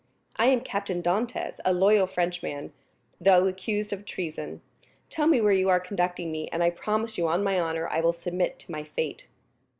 I am Captain Dantès, a loyal Frenchman, thought accused of treason; tell me where you are conducting me, and I promise you on my honor I will submit to my fate."